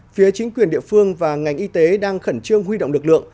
phía chính quyền địa phương và ngành y tế đang khẩn trương huy động lực lượng